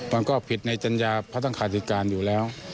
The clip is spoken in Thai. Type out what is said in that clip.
มันก็ผิดในจัญญาพัฒนขาติดการอยู่แล้ว